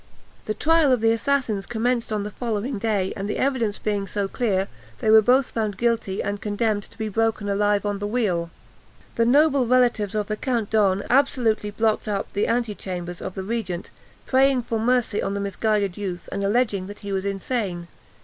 The trial of the assassins commenced on the following day; and the evidence being so clear, they were both found guilty, and condemned, to be broken alive on the wheel. The noble relatives of the Count d'Horn absolutely blocked up the ante chambers of the regent, praying for mercy on the misguided youth, and alleging that he was insane.